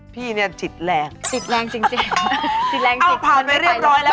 พี่เนี่ยจิตแรงจิตแรงจริงจิตแรงจิตผ่านไปเรียบร้อยแล้ว